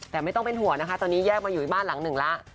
แต่ไม่ต้องเป็นห่วงนะคะตอนนี้แยกมาอยู่อีกบ้านหลังหนึ่งแล้ว